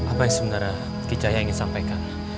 apa yang sebenarnya kijaya ingin sampaikan